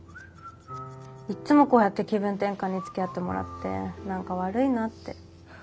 いっつもこうやって気分転換につきあってもらって何か悪いなって。